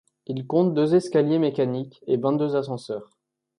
Il compte deux escaliers mécaniques et vingt-deux ascenseurs.